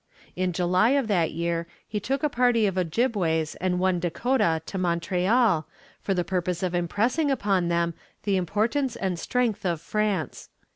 In July of that year he took a party of Ojibways and one Dakota to Montreal, for the purpose of impressing upon them the importance and strength of France.